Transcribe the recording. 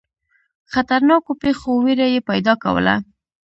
خطرناکو پیښو وېره یې پیدا کوله.